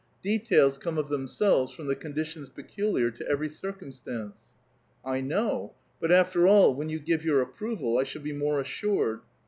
} Details come of themselves from the conditions peculiar to everv circumstance.*' '• I know ; but after all, when you give your approval, I shall be more assured."